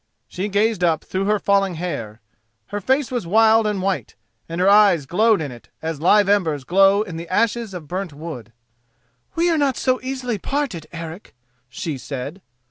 She gazed up through her falling hair; her face was wild and white, and her eyes glowed in it as live embers glow in the ashes of burnt wood. "We are not so easily parted, Eric," she said.